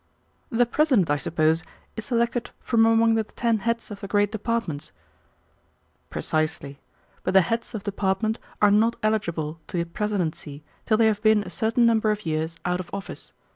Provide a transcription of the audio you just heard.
"The President, I suppose, is selected from among the ten heads of the great departments," I suggested. "Precisely, but the heads of departments are not eligible to the presidency till they have been a certain number of years out of office.